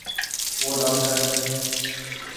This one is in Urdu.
وہ داکٹر ہے